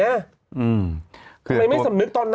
ทำไมไม่สำนึกตอนนั้น